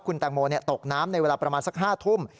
คุณแตงโมตกน้ำในเวลาประมาณสัก๕ทุ่ม